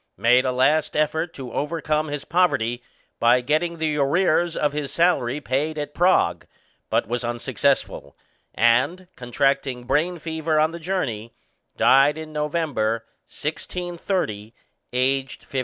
Made a last effort to overcome his poverty by getting the arrears of his salary paid at Prague, but was unsuccessful, and, contracting brain fever on the journey, died in November, 1630, aged 59.